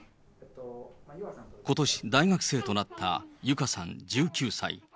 ことし大学生となった友香さん１９歳。